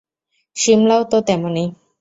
সিমলাও তো তেমনি।